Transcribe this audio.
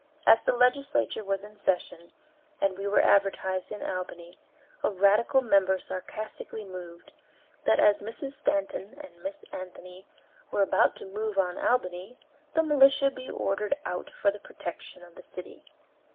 As the legislature was in session, and we were advertised in Albany, a radical member sarcastically moved "That as Mrs. Stanton and Miss Anthony were about to move on Albany, the militia be ordered out for the protection of the city."